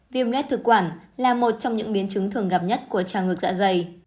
viêm rết thực quản là một trong những biến chứng thường gặp nhất của trào ngược dạ dày